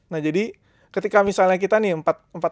nah jadi ketika misalnya kita nih